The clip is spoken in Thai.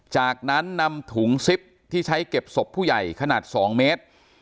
จากนั้นนำถุงซิปที่ใช้เก็บศพผู้ใหญ่ขนาด๒เมตร